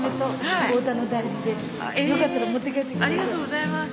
ありがとうございます！